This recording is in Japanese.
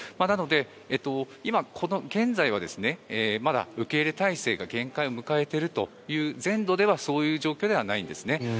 なので、今この現在はまだ受け入れ態勢が限界を迎えているという全土ではそういう状況ではないんですね。